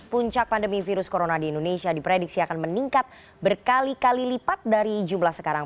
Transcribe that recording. puncak pandemi virus corona di indonesia diprediksi akan meningkat berkali kali lipat dari jumlah sekarang